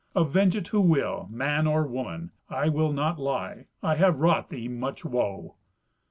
Avenge it who will, man or woman. I will not lie; I have wrought thee much woe."